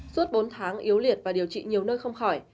suốt bốn tháng yếu liệt và điều trị nhiều nơi không khỏi